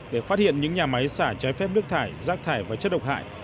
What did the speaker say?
để phát hiện những nhà máy xả trái phép nước thải rác thải và chất độc hại